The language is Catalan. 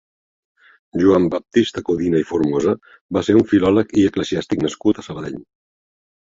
Joan Baptista Codina i Formosa va ser un filòleg i eclesiàstic nascut a Sabadell.